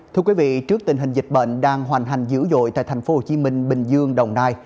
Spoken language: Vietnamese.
thưa quý vị trước tình hình dịch bệnh đang hoành hành dữ dội tại tp hcm bình dương đồng nai